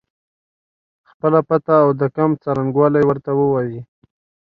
خپله پته او د کمپ څرنګوالی ورته ووایي.